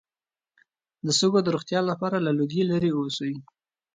د سږو د روغتیا لپاره له لوګي لرې اوسئ